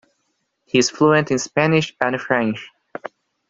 He is fluent in Spanish and French.